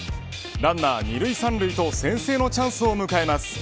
ランナー２塁、３塁と先制のチャンスを迎えます。